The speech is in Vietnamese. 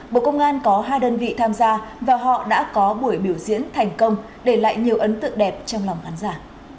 bộ công an có hai đơn vị tham gia và họ đã có buổi biểu diễn thành công để lại nhiều ấn tượng đẹp trong lòng khán giả